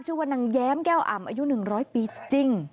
ชื่อว่านางแย้มแก้วอ่ำอายุ๑๐๐ปีจริง